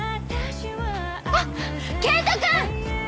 あっ健人君！